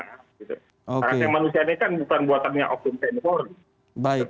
karena manusianya kan bukan buatannya opmt polri